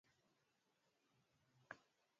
na baada ya kuapishwa akatoa neno la shukrani